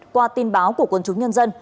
qua tin báo của quân chúng nhân dân